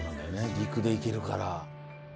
陸で行けるから。